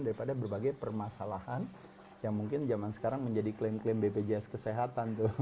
ini cerminan dari berbagai permasalahan yang mungkin zaman sekarang menjadi klaim klaim bpjs kesehatan